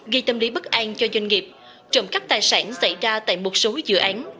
gây tâm lý bất an cho doanh nghiệp trộm cắp tài sản xảy ra tại một số dự án